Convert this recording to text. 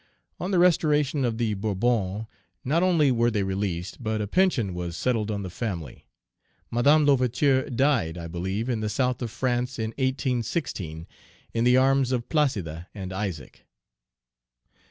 On the restoration of the Bourbons, not only were they released, but a pension was settled on the family. Madame L'Ouverture died, I believe, in the south of France, in 1816, in the arms of Placide and Isaac.